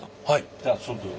じゃあ外で。